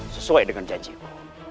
sesuai dengan janjimu